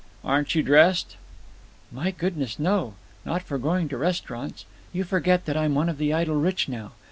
"Aren't you dressed?" "My goodness, no. Not for going to restaurants. You forget that I'm one of the idle rich now.